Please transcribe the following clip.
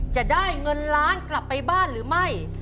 จะได้เงินล้านกลับไปบ้านหรือไม่